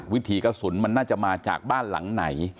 วิถีกระสุนมันน่าจะมาจากบ้านหลังไหน